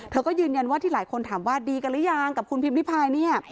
เธอก็ยืนยันว่าที่หลายคนถามว่าดีกันหรือยังกับคุณพิมพิพายเนี่ย